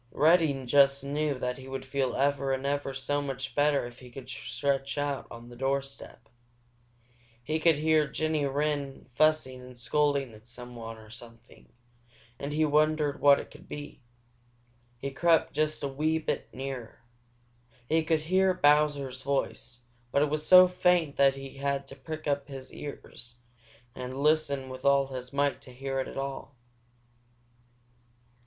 Reddy just knew that he would feel ever and ever so much better if he could stretch out on the doorstep. He could hear Jenny Wren fussing and scolding at someone or something, and he wondered what it could be. He crept just a wee bit nearer. He could hear Bowser's voice, but it was so faint that he had to prick up his sharp little ears and listen with all his might to hear it at all.